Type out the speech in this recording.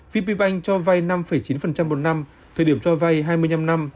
bidv banh cho vai năm chín một năm thời điểm cho vai hai mươi năm năm